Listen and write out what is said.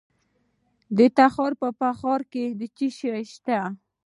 د تخار په فرخار کې څه شی شته؟